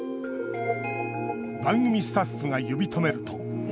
番組スタッフが呼び止めると。